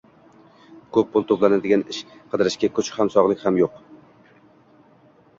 ko‘p pul to‘lanadigan ish qidirishga kuch ham sog‘liq ham yo‘q.